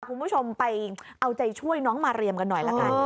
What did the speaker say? คุณผู้ชมไปเอาใจช่วยน้องมาเรียมกันหน่อยละกัน